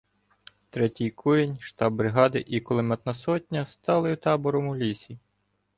Третій курінь, штаб бригади і кулеметна сотня стали табором у лісі.